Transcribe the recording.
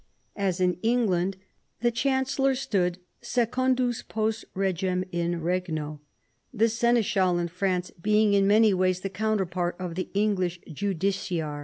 As in England, the chancellor stood secundus post regem in regno, the seneschal in France being in many ways the counterpart of the English justiciar.